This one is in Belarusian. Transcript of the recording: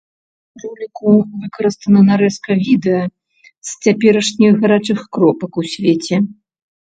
У роліку выкарыстана нарэзка відэа з цяперашніх гарачых кропак у свеце.